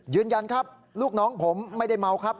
ยืนยันครับลูกน้องผมไม่ได้เมาครับ